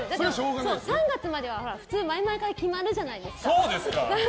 ３月までは普通、前々から決まるじゃないですか。